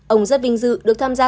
ông rất vinh dự được tham gia